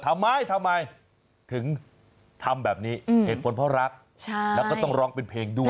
ทำไมทำไมถึงทำแบบนี้เหตุผลเพราะรักแล้วก็ต้องร้องเป็นเพลงด้วย